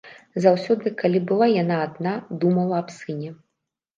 Заўсёды, калі была яна адна, думала аб сыне.